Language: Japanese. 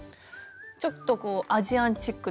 ちょっとこうアジアンチックというか。